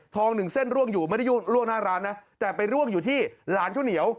หนึ่งเส้นร่วงอยู่ไม่ได้ล่วงหน้าร้านนะแต่ไปร่วงอยู่ที่ร้านข้าวเหนียว